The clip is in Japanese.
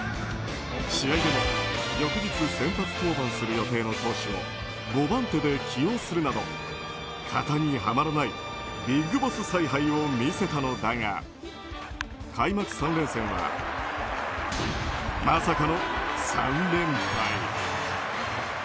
試合でも翌日先発登板する予定の投手を５番手で起用するなど型にはまらないＢＩＧＢＯＳＳ采配を見せたのだが開幕３連戦は、まさかの３連敗。